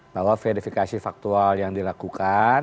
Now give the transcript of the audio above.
bahwa verifikasi faktual yang dilakukan